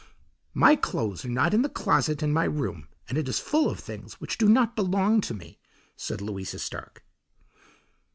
"My clothes are not in the closet in my room and it is full of things which do not belong to me," said Louisa Stark.